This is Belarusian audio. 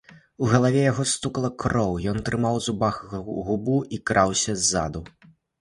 У галаве яго стукала кроў, ён трымаў у зубах губу і краўся ззаду.